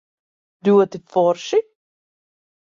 Ļoti forši?